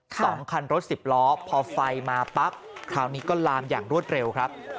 สองคันรถสิบล้อพอไฟมาปั๊บคราวนี้ก็ลามอย่างรวดเร็วครับ